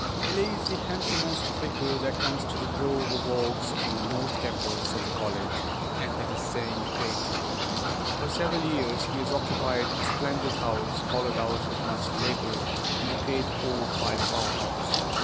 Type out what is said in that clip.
Billie is the handsomest Flicker that comes to the grove of oaks on the north campus of the college and that is saying a great deal. For several years he has occupied a splendid house hollowed out with much labor in the great oak by the power house.